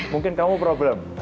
mungkin kamu problem